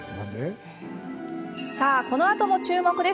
さあこのあとも注目です。